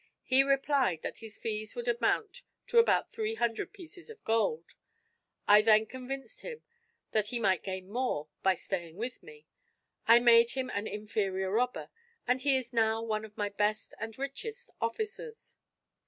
He replied, that his fees would amount to about three hundred pieces of gold. I then convinced him that he might gain more by staying with me. I made him an inferior robber; and he is now one of my best and richest officers.